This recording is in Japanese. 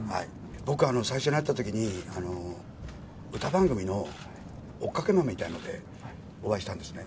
僕、最初に会ったときに、歌番組の追っかけ魔みたいなのでお会いしたんですね。